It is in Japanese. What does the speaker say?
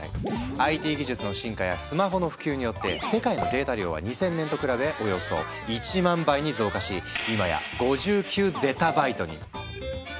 ＩＴ技術の進化やスマホの普及によって世界のデータ量は２０００年と比べおよそ１万倍に増加し今や５９ゼタバイトに！って